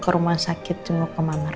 ke rumah sakit jum'at ke mamar